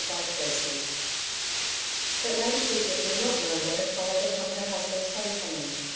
CHAPTER 7 But Lady Bridget did not know what had followed upon her husband's home coming.